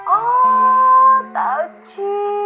oh tau cint